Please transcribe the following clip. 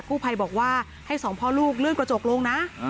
ผู้ภัยบอกว่าให้สองพ่อลูกเลื่อนกระจกลงนะ